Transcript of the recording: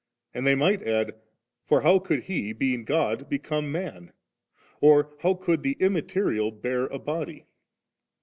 and they might add; 'For how could He, being God, become man?' or, *How could the Immaterial bear a body?'